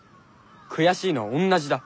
悔しいのはおんなじだ。